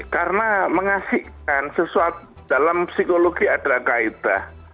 karena mengasihkan sesuatu dalam psikologi adalah kaedah